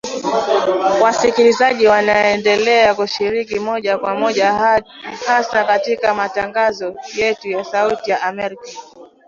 Wasikilizaji waendelea kushiriki moja kwa moja hasa katika matangazo yetu ya Sauti ya Amerika